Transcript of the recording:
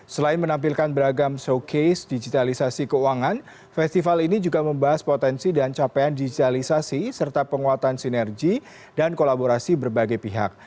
selain menampilkan beragam showcase digitalisasi keuangan festival ini juga membahas potensi dan capaian digitalisasi serta penguatan sinergi dan kolaborasi berbagai pihak